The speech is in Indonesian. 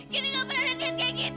kini nggak pernah ada nenek kayak gitu